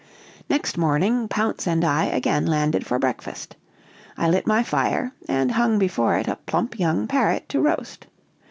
"Next morning Pounce and I again landed for breakfast. I lit my fire, and hung before it a plump young parrot to roast.